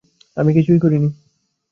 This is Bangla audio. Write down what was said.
আমি কিছুই করি নি।